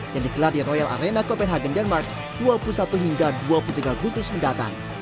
yang dikelar di royal arena copenhagen denmark dua puluh satu hingga dua puluh tiga agustus mendatang